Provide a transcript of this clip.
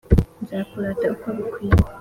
nzakurata uko bigukwiye